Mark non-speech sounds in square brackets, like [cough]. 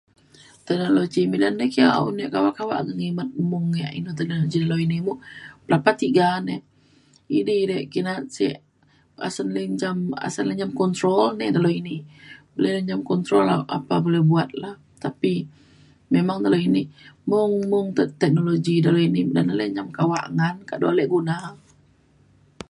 teknologi midan ni ki oh kawak ngimet mung yak inu teneng je lo ini muk pelapat tiga nek idi ri ke na’at sek asen lu njam asen lu njam control ne dalau ini. le njam control apa boleh buat lah tapi memang dalau ini mung mung te- teknologi dalau ini [unintelligible] kawak ngan kado ale guna.